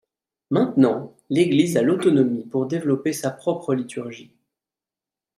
Maintenant, l’Église a l'autonomie pour développer sa propre liturgie.